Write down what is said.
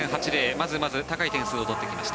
まずまず高い点数を取ってきました。